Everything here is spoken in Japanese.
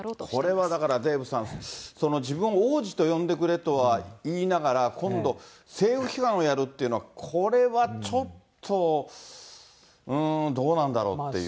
これはだからデーブさん、自分を王子と呼んでくれと言いながら、今度、政府批判をやるっていうのはこれはちょっと、うーん、どうなんだろうっていう。